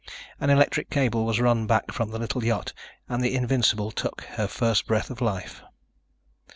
An electric cable was run back from the little yacht and the Invincible took her first breath of life.